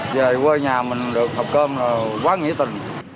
về quê nhà mình được học cơm là quá nghĩa tình